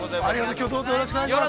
◆きょうはどうぞよろしくお願いします。